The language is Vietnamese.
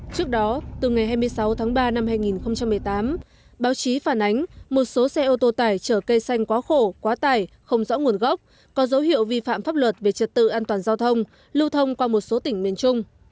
trước đó từ ngày hai mươi sáu tháng ba năm hai nghìn một mươi tám báo chí phản ánh một số xe ô tô tải chở cây xanh quá khổ quá tải không rõ nguồn gốc có dấu hiệu vi phạm pháp luật về trật tự an toàn giao thông lưu thông qua một số tỉnh miền trung